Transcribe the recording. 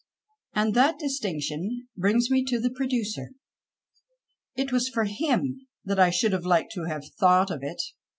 And that distinction brings me to the producer. It was for him that I should have liked to have thought of it.